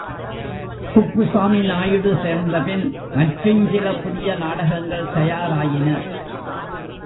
குப்புசாமி நாயுடு சேர்ந்தபின் மற்றுஞ் சில புதிய நாடகங்கள் தயாராயின.